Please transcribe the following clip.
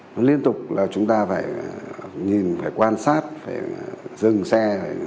nó liên tục là chúng ta phải nhìn phải quan sát phải dừng xe phải hướng dẫn